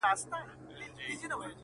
امام بخاري رحمه الله تعالی.